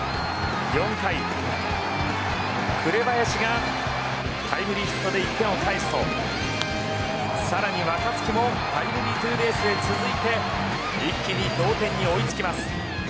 ４回、紅林がタイムリーヒットで１点を返すと更に若月もタイムリーツーベースで続き一気に同点に追いつきます。